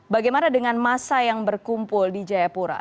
bagaimana dengan masa yang berkumpul di jayapura